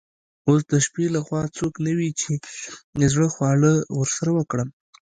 اوس د شپې له خوا څوک نه وي چي د زړه خواله ورسره وکړم.